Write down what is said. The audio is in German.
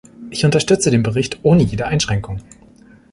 Ich unterstütze den Bericht ohne jede Einschränkung.